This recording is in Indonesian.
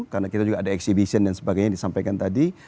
karena kita juga ada exhibition dan sebagainya disampaikan tadi